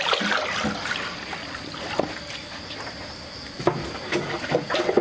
พร้อมทุกสิทธิ์